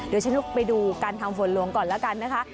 เดี๋ยวฉันไปดูการทำฝนหลวงก่อนแล้วกันนะคะ